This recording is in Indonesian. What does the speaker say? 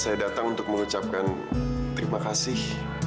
saya datang untuk mengucapkan terima kasih